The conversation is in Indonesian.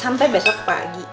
sampai besok pagi